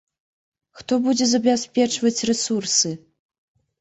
Хто будзе забяспечваць рэсурсы?